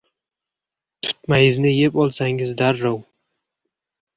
Tutmayizni yeb olsangiz darrov